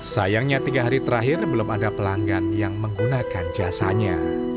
sayangnya tiga hari terakhir belum ada pelanggan yang menggunakan jasanya